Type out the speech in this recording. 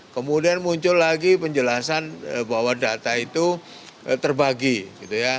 kemudian muncul lagi penjelasan bahwa data itu terbagi gitu ya